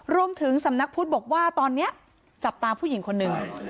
สำนักพุทธบอกว่าตอนนี้จับตาผู้หญิงคนหนึ่ง